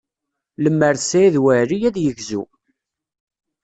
Lemmer d Saɛid Waɛli, ad yegzu.